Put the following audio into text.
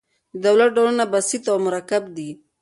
د دولت ډولونه بسیط او مرکب دي.